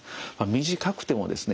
短くてもですね